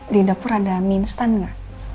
di dapur ada mie instan nggak